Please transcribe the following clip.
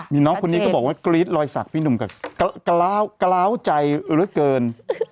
มีน้องคนนี้ก็บอกว่ากรี๊ดรอยสักพี่หนุ่มก็กล้าวใจเหลือเกิน